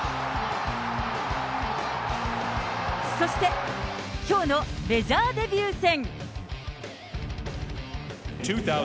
そして、きょうのメジャーデビュー戦。